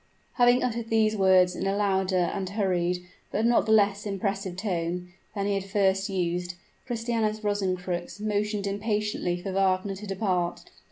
Having uttered these words in a louder and hurried, but not the less impressive tone, than he had at first used, Christianus Rosencrux motioned impatiently for Wagner to depart.